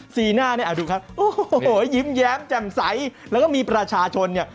สีหน้าเนี่ยดูครับโอ้โหยิ้มแย้มแจ่มใสแล้วก็มีประชาชนเนี่ย